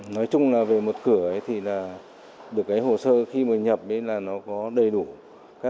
nói chung là về một cửa thì là được cái hồ sơ khi mà nhập đấy là nó có đầy đủ các cái